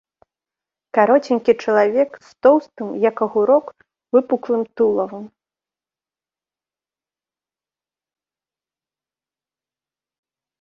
Кароценькі чалавек з тоўстым, як агурок, выпуклым тулавам.